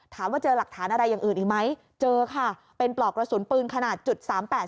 ถามว่าเจอหลักฐานอะไรอย่างอื่นอีกไหมเจอค่ะเป็นปลอกกระสุนปืนขนาดจุดสามแปด